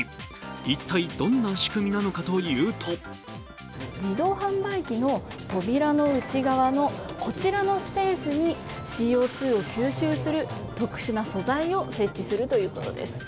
一体どんな仕組みなのかというと自動販売機の扉の内側のこちらのスペースにＣＯ２を吸収する特殊な素材を設置するということです。